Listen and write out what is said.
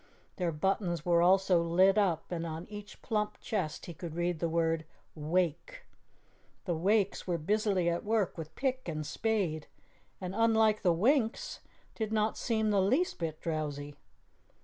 Their buttons were also lit up and on each plump chest he could read the word "Wake." The Wakes were busily at work with pick and spade, and, unlike the Winks, did not seem the least bit drowsy.